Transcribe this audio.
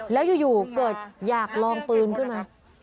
แล้วอยู่เกิดอยากลองปืนขึ้นมา